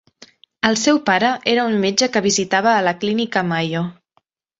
El seu pare era un metge que visitava a la Clínica Mayo.